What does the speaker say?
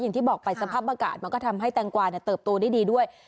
อย่างที่บอกไปสภาพอากาศมันก็ทำให้แตงกวาเติบโตได้ดีด้วย